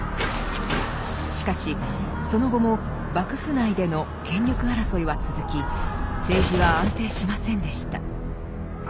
しかしその後も幕府内での権力争いは続き政治は安定しませんでした。